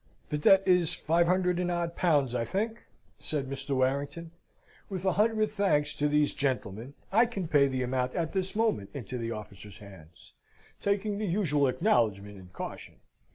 "The debt is five hundred and odd pounds, I think?" said Mr. Warrington. "With a hundred thanks to these gentlemen, I can pay the amount at this moment into the officers' hands, taking the usual acknowledgment and caution.